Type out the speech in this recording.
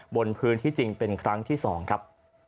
บนพื้นที่จริงเป็นครั้งที่๒ครับ